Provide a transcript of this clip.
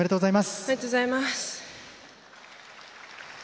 ありがとうございます。